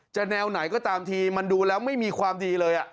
แนวไหนก็ตามทีมันดูแล้วไม่มีความดีเลย